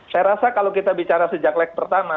saya rasa kalau kita bicara sejak leg pertama